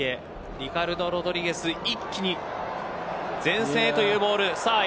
リカルド・ロドリゲス一気に前線へというボール。